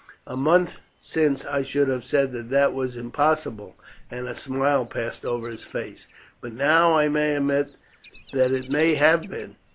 A month since I should have said that that was impossible," and a smile passed over his face, "but now I may admit that it may have been.